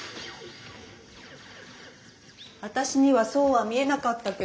・私にはそうは見えなかったけど。